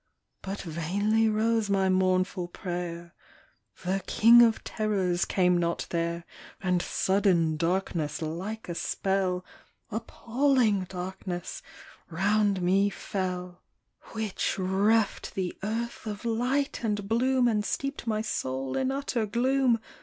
But vainly rose my mournful prayer, The " King of Terrors" came not there ; And sudden darkness, like a spell, — Appalling darkness, — round me fell, HASHEESH VISIONS. 29 Which reft the earth of light and bloom, And steeped my soul in utter gloom.